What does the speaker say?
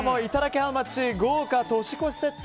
ハウマッチ豪華年越しセット。